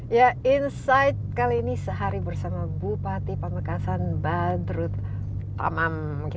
apa ketentrianya ada di daging bersama matangan susukan ini